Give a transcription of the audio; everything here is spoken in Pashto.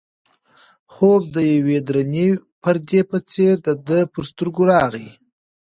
خوب د یوې درنې پردې په څېر د ده پر سترګو راغی.